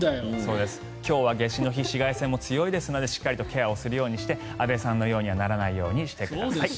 今日は夏至の日紫外線も強いのでしっかりとケアをするようにして安部さんのようにならないようにしてください。